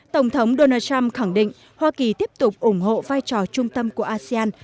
tổng thống donald trump khẳng định hoa kỳ tiếp tục ủng hộ vai trò trung tâm của asean